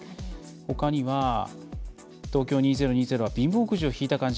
ほかには「Ｔｏｋｙｏ２０２０は貧乏くじを引いた感じ。